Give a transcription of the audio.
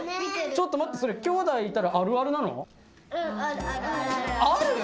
ちょっと待ってそれきょうだいいたら「あるある」なの？